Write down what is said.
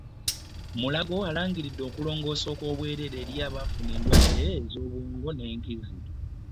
Mulago erangiridde okulongoosa okw'obwereere eri abafuna endwadde z'obwongo n'enkizi.